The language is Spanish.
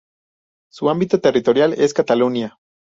Su ámbito territorial es Catalunya"".